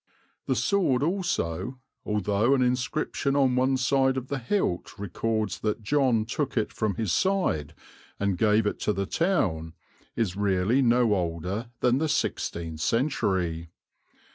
The sword also, although an inscription on one side of the hilt records that John took it from his side and gave it to the town, is really no older than the sixteenth century.